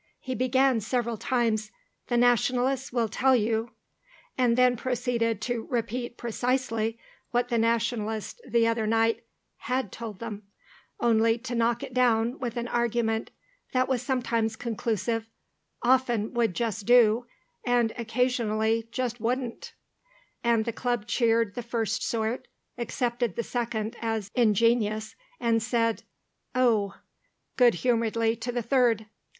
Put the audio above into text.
He began several times, "The Nationalists will tell you," and then proceeded to repeat precisely what the Nationalist the other night had told them, only to knock it down with an argument that was sometimes conclusive, often would just do, and occasionally just wouldn't; and the Club cheered the first sort, accepted the second as ingenious, and said "Oh," good humouredly, to the third.